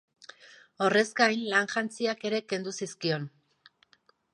Horrez gain, lan-jantziak ere kendu zizkion.